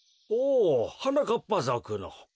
おおはなかっぱぞくの。